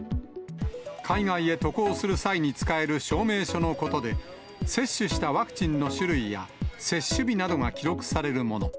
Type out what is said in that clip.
海外へ渡航する際に使える証明書のことで、接種したワクチンの種類や、接種日などが記録されるもの。